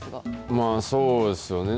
まあ、そうですよね。